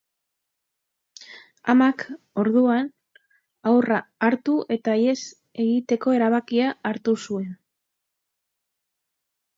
Amak, orduan, haurra hartu eta ihes egiteko erabakia hartu zuen.